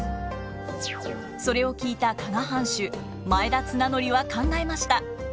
それを聞いた加賀藩主前田綱紀は考えました。